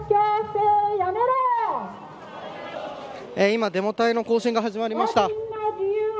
今、デモ隊の行進が始まりました。